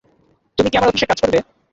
তুমি কি আমার অফিসে কাজ করবে?